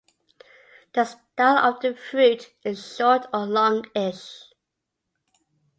The style of the fruit is short or longish.